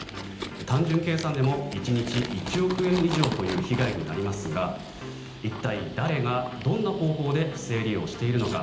単純計算でも１日１億円以上という被害になりますが一体、誰がどんな方法で不正利用しているのか。